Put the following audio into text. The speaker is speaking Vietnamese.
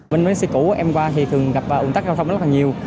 bên bến xe cũ của em qua thì thường gặp ủng tắc giao thông rất là nhiều